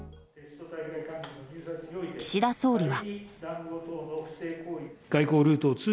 岸田総理は。